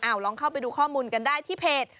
เอาลองเข้าไปดูข้อมูลกันได้ที่เพจ